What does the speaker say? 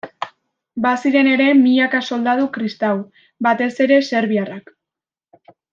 Baziren ere, milaka soldadu kristau, batez ere serbiarrak.